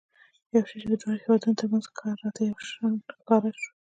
یو شی چې د دواړو هېوادونو ترمنځ راته یو شان ښکاره شو.